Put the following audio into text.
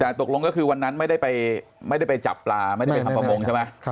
แต่ตกลงก็คือวันนั้นไม่ได้ไปจับปลาไม่ได้ไปทำประมงใช่ไหม